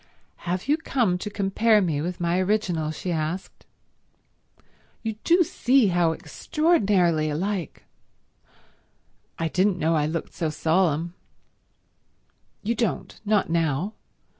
"Have you come to compare me with my original?" she asked. "You do see how extraordinarily alike—" "I didn't know I looked so solemn." "You don't. Not now.